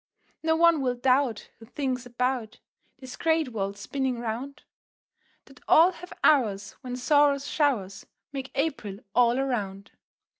No one will doubt Who thinks about This great world spinning round, That all have hours When sorrow's showers Make April all around.